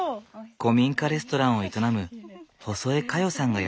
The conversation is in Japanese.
古民家レストランを営む細江香代さんがやって来た。